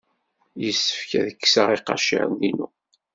Yessefk ad kkseɣ iqaciren-inu.